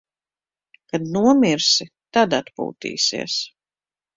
Kad nomirsi, tad atpūtīsies.